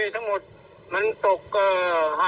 เบื้องต้น๑๕๐๐๐และยังต้องมีค่าสับประโลยีอีกนะครับ